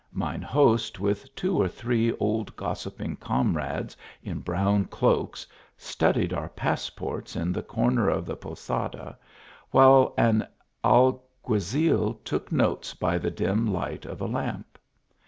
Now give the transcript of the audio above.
Mine host with two or three old gossipping comrades in brown cloaks studied our passports in a corner of the posada, while an Alguazil took notes by the dim light of a lamp.